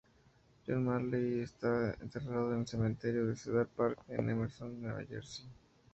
John Marley está enterrado en el cementerio de Cedar Park, en Emerson, Nueva Jersey.